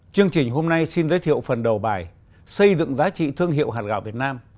chương trình hôm nay xin giới thiệu phần đầu bài xây dựng giá trị thương hiệu hạt gạo việt nam